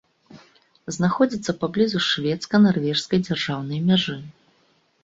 Знаходзіцца паблізу шведска-нарвежскай дзяржаўнай мяжы.